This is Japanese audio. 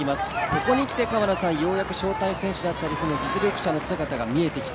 ここにきてようやく招待選手であったり実力者の姿が見えてきた。